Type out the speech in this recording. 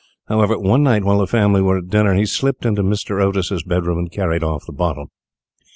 However, one night, while the family were at dinner, he slipped into Mr. Otis's bedroom and carried off the bottle.